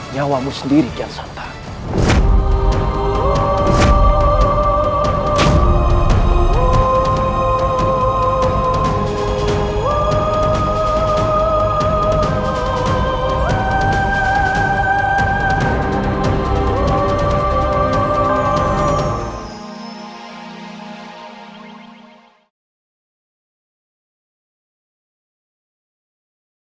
nyawamu sendiri gelsantan